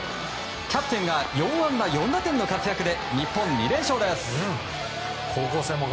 キャプテンが４安打４打点の活躍で日本、２連勝です。